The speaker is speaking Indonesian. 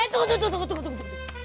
tunggu tunggu tunggu